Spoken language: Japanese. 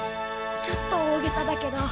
ちょっと大げさだけど。